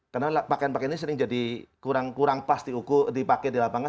karena pakaian pakaian ini sering jadi kurang pas dipakai di lapangan